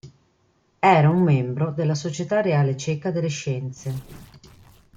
Era un membro della società reale ceca delle Scienze.